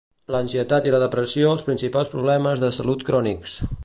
L'ansietat i la depressió els principals problemes de salut crònics.